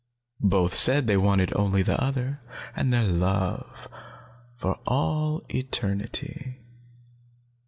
Both said they wanted only the other, and their love, for all eternity.